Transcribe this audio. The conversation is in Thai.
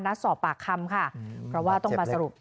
สอบปากคำค่ะเพราะว่าต้องมาสรุป